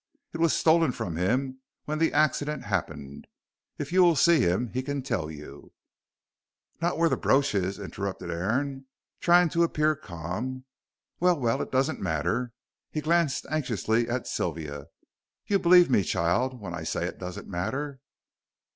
It was stolen from him when the accident happened. If you will see him he can tell you " "Not where the brooch is," interrupted Aaron, trying to appear calm. "Well, well, it doesn't matter." He glanced anxiously at Sylvia. "You believe me, child, when I say it doesn't matter."